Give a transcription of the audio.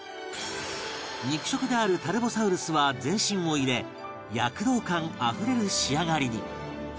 肉食であるタルボサウルスは全身を入れ躍動感あふれる仕上がりに